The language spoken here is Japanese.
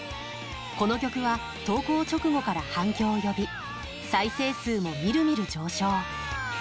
この曲は投稿直後から反響を呼び再生数も、みるみる上昇。